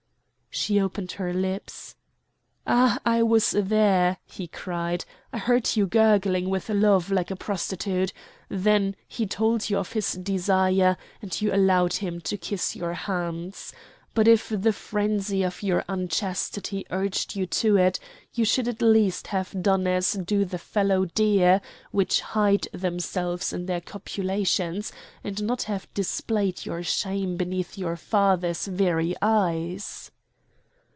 She opened her lips. "Ah! I was there!" he cried. "I heard you gurgling with love like a prostitute; then he told you of his desire, and you allowed him to kiss your hands! But if the frenzy of your unchastity urged you to it, you should at least have done as do the fallow deer, which hide themselves in their copulations, and not have displayed your shame beneath your father's very eyes!"